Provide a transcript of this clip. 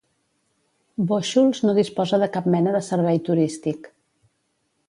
Bóixols no disposa de cap mena de servei turístic.